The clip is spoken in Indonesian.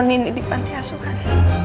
naroni ini di pantiasukan